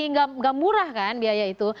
ini gak murah kan biaya itu